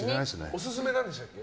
オススメは何でしたっけ？